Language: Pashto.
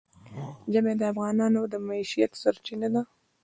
ژمی د افغانانو د معیشت سرچینه ده.